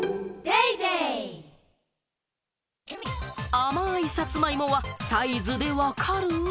甘いさつまいもはサイズで分かる？